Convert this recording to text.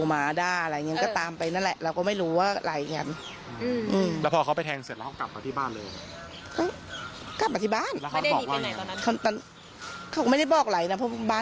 มันก็มามอบตัวมันรักเมียมันไม่ค่อยทำหรอก